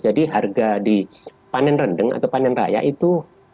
jadi harga di panen rendeng atau panen raya itu